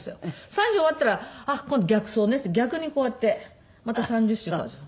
３０終わったらあっ今度逆走ねっていって逆にこうやってまた３０周回る。